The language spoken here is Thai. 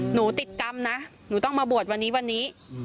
หนูติดกรรมนะหนูต้องมาบวชวันนี้วันนี้